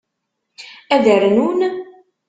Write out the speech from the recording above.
Ad rnun?